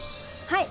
はい。